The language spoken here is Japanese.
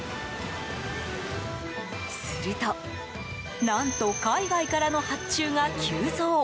すると、何と海外からの発注が急増。